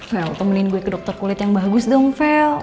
fel temenin gue ke dokter kulit yang bagus dong fel